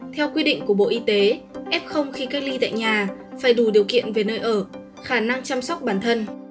theo quy định của bộ y tế f khi cách ly tại nhà phải đủ điều kiện về nơi ở khả năng chăm sóc bản thân